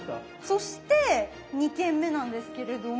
そして２軒目なんですけれども。